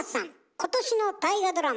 今年の大河ドラマ